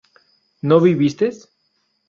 no viviste